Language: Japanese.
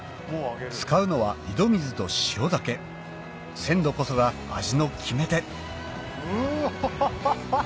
使うのは井戸水と塩だけ鮮度こそが味の決め手うわ！